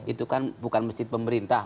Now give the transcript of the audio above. itu kan bukan mesin pemerintah